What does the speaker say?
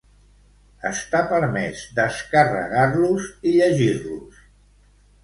Està permès descarregar-los i llegir-los.